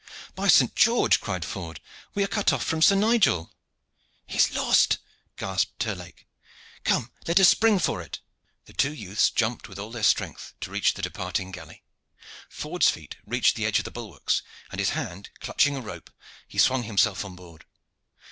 "By St. George!" cried Ford, "we are cut off from Sir Nigel." "He is lost," gasped Terlake. "Come, let us spring for it." The two youths jumped with all their strength to reach the departing galley. Ford's feet reached the edge of the bulwarks, and his hand clutching a rope he swung himself on board.